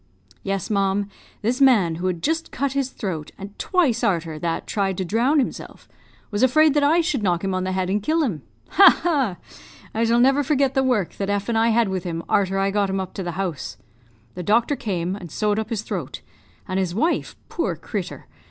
"Yes, ma'am; this man, who had just cut his throat, and twice arter that tried to drown himself, was afraid that I should knock him on the head and kill him. Ha! ha! I shall never forget the work that F and I had with him arter I got him up to the house. "The doctor came, and sewed up his throat; and his wife poor crittur!